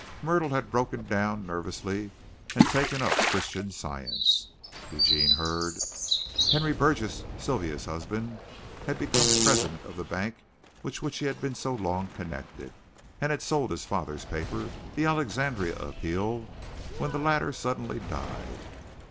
Myrtle had broken down nervously and taken up Christian Science, Eugene heard. Henry Burgess, Sylvia's husband, had become president of the bank with which he had been so long connected, and had sold his father's paper, the Alexandria Appeal, when the latter suddenly died.